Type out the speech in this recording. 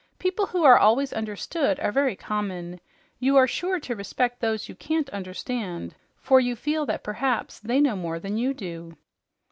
"People who are always understood are very common. You are sure to respect those you can't understand, for you feel that perhaps they know more than you do."